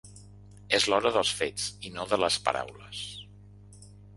És l’hora dels fets i no de les paraules.